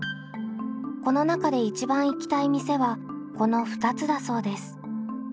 この中で一番行きたい店はこの２つだそうです。